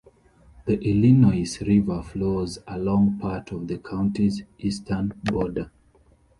The Illinois River flows along part of the county's eastern border.